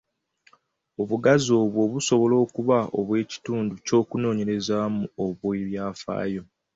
Obugazi obwo busobola okuba obw’ekitundu ky’okunoonyererezaamu, obw’ebyafaayo.